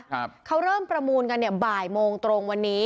ครับเขาเริ่มประมูลกันเนี่ยบ่ายโมงตรงวันนี้